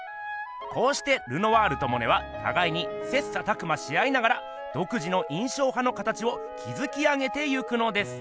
こうしてルノワールとモネはたがいに切磋琢磨し合いながらどく自の印象派の形をきずき上げていくのです。